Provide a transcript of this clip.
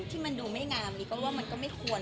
ที่มันดูไม่งามนี้ก็ว่ามันก็ไม่ควร